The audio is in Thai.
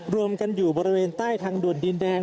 รวมกันอยู่บริเวณใต้ทางด่วนดินแดง